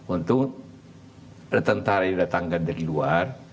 untuk tentara didatangkan dari luar